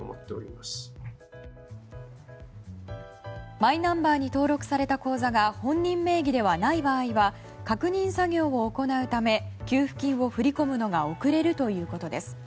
マイナンバーに登録された口座が本人名義ではない場合は確認作業を行うため給付金を振り込むのが遅れるということです。